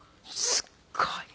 すっごい。